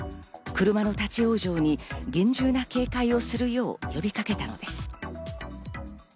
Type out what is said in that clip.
車の立ち往生に厳重な警戒をするよう呼びかけたのです。